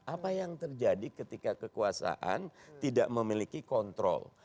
apa yang terjadi ketika kekuasaan tidak memiliki kontrol